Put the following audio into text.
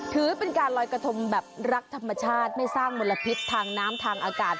ถือเป็นการลอยกระทงแบบรักธรรมชาติไม่สร้างมลพิษทางน้ำทางอากาศ